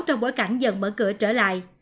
trong bối cảnh dần mở cửa trở lại